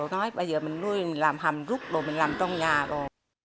nói bây giờ mình nuôi làm hầm rút đồ mình làm trong nhà đồ